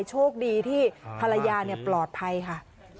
โชคดีที่ภรรยาปลอดภัยค่ะ